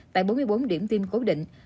tại bốn mươi bốn điểm tiêm cố định